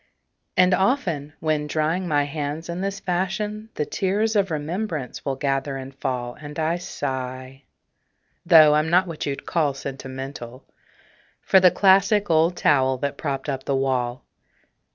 And often, when drying my hands in this fashion, The tears of remembrance will gather and fall, And I sigh (though I'm not what you'd call sentimental) For the classic old towel that propped up the wall.